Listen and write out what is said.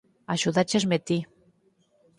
Axudáchesme ti.